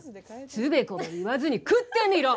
「つべこべ言わずに食ってみろ！」